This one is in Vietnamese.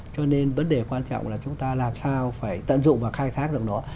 cho nên vấn đề quan trọng là chúng ta làm sao phải tận dụng và khai thác được nó